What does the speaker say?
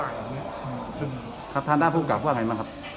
ครับท่านหน้าผู้กราบว่าไงมั้ยครับ